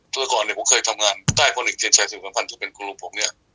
เมื่อก่อนเนี่ยผมเคยทำงานใต้พ่อหนึ่งเทียนชัยศิษยภัณฑ์ที่เป็นคุณลูกผมเนี่ย